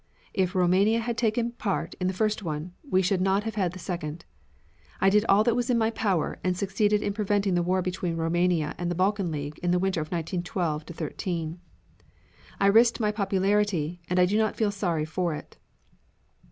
If Roumania had taken part in the first one, we should not have had the second. I did all that was in my power and succeeded in preventing the war between Roumania and the Balkan League in the winter of 1912 13. "I risked my popularity, and I do not feel sorry for it.